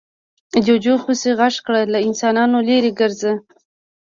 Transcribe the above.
جوجو پسې غږ کړ، له انسانانو ليرې ګرځه.